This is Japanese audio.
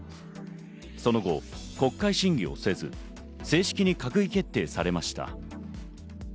その後、国会審議をせず、正式に閣議決定されました。